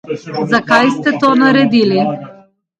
Zakaj ste to naredili?